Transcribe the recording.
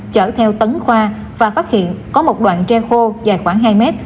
chở theo tấn khoa và phát hiện có một đoạn tre khô dài khoảng hai mét